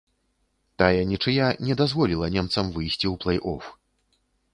Тая нічыя не дазволіла немцам выйсці ў плэй-оф.